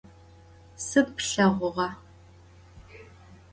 Sıd plheğuğa?